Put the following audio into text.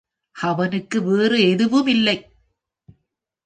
அவனுக்கு வேறு எதுவும் இல்லை.